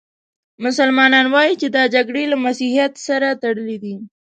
مسلمانان وايي چې دا جګړې له مسیحیت سره تړلې دي.